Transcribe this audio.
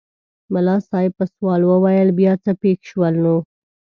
ملا صاحب په سوال وویل بیا څه پېښ شول نو؟